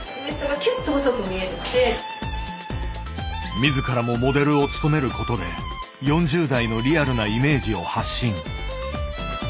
自らもモデルを務めることで４０代のリアルなイメージを発信。